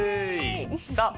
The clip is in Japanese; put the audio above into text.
さあ